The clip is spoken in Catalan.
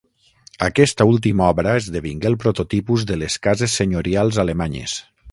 Aquesta última obra esdevingué el prototipus de les cases senyorials alemanyes.